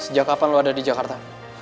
sejak kapan lo ada di jakarta